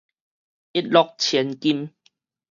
一諾千金